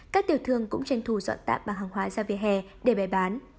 các tiểu thương cũng tranh thủ dọn tạm bằng hàng hóa ra về hè để bày bán